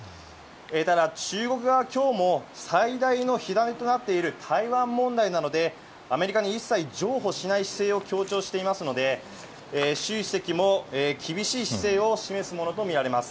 ただ、中国側、きょうも最大の火種となっている台湾問題などで、アメリカに一切譲歩しない姿勢を強調していますので、習主席も厳しい姿勢を示すものと見られます。